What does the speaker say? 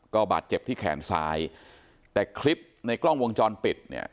ก็บาดเจ็บที่แขนซ้ายแต่คลิปในกล้องวงจรปิดเนี่ย